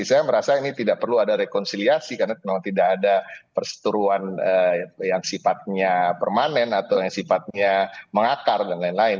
saya merasa ini tidak perlu ada rekonsiliasi karena memang tidak ada perseteruan yang sifatnya permanen atau yang sifatnya mengakar dan lain lain